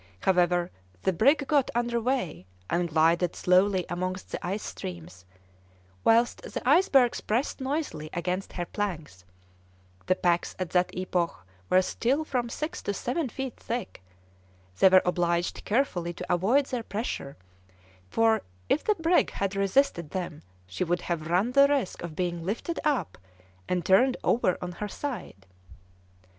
However, the brig got under way, and glided slowly amongst the ice streams, whilst the icebergs pressed noisily against her planks, the packs at that epoch were still from six to seven feet thick; they were obliged carefully to avoid their pressure, for if the brig had resisted them she would have run the risk of being lifted up and turned over on her side.